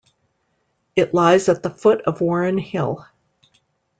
It lies at the foot of Warren Hill.